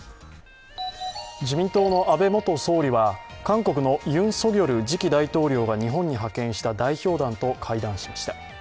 自民党の安倍元総理は韓国のユン・ソギョル次期大統領が日本に派遣した代表団と会談しました。